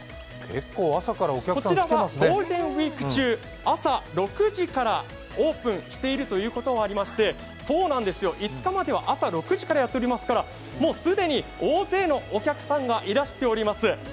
こちらはゴールデンウイーク中、朝６時からオープンしているということもありまして、５日までは朝６時からやっておりますからもう既に大勢のお客さんがいらしております。